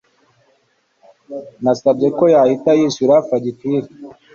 Nasabye ko yahita yishyura fagitire